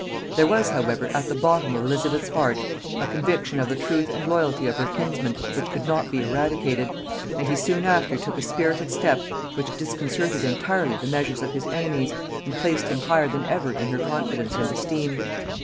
There was however at the bottom of Elizabeth's heart a conviction of the truth and loyalty of her kinsman which could not be eradicated, and he soon after took a spirited step which disconcerted entirely the measures of his enemies, and placed him higher than ever in her confidence and esteem.